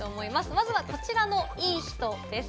まずはこちらのいい人です。